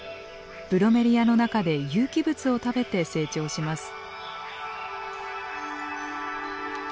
ブロメリアの中で有機物を食べて成長します。